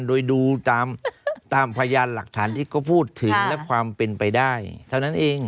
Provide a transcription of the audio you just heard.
โดยดูตามพยานหลักฐานที่เขาพูดถึงและความเป็นไปได้เท่านั้นเอง